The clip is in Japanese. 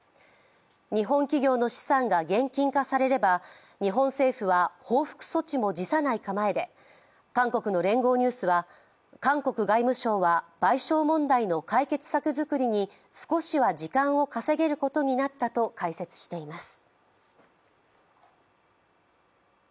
日本企業の資産が現金化されれば日本政府は報復措置も辞さない構えで韓国の聯合ニュースは韓国外務省は賠償問題の解決策づくりに少しは時間を稼げることになったと解説しています。